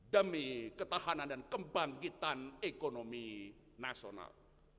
demi ketahanan dan kebangkitan ekonomi nasional